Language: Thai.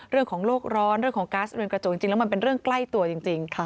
เรื่องของโลกร้อนเรื่องของก๊าซเรือนกระจกจริงแล้วมันเป็นเรื่องใกล้ตัวจริง